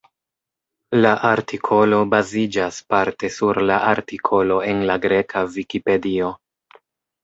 La artikolo baziĝas parte sur la artikolo en la greka Vikipedio.